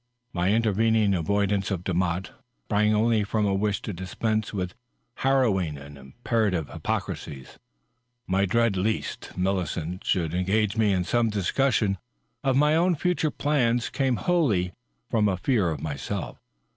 My intervening avoidance of Demotte sprang only from a wish to dispense with har rowing and imperative hypocrisies; my dread lest Millicent should engage me in some discussion of my own future plans came wholly from a fear of myself.